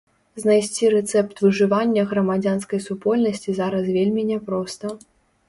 Знайсці рэцэпт выжывання грамадзянскай супольнасці зараз вельмі няпроста.